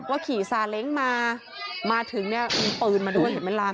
ขี่ซาเล้งมามาถึงเนี่ยมีปืนมาด้วยเห็นไหมล่ะ